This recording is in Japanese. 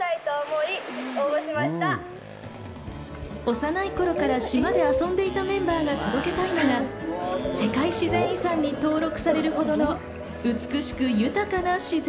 幼い頃から島で遊んでいたメンバーが届けたいのが世界自然遺産に登録されるほどの美しく豊かな自然。